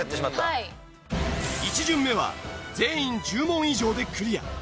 １巡目は全員１０問以上でクリア。